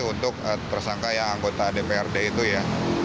untuk tersangka yang anggota dprd itu ya